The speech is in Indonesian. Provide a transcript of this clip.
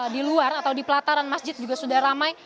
di luar atau di pelataran masjid juga sudah ramai